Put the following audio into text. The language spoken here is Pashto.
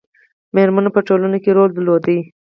میرمنو په ټولنه کې رول درلود